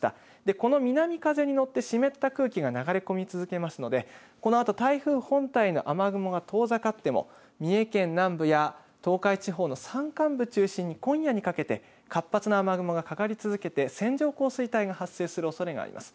この南風に乗って湿った空気が流れ込み続けますので、このあと台風本体の雨雲が遠ざかっても、三重県南部や、東海地方の山間部中心に今夜にかけて活発な雨雲がかかり続けて、線状降水帯が発生するおそれがあります。